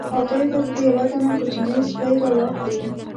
او دی به ترې یو دانه کوچنی سپی را واخلي.